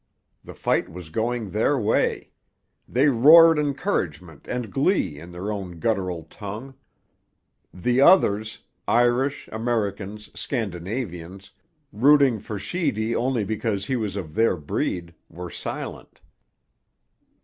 The fight was going their way; they roared encouragement and glee in their own guttural tongue. The others—Irish, Americans, Scandinavians—rooting for Sheedy only because he was of their breed, were silent.